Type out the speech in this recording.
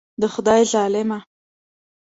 د خدای ظالمه.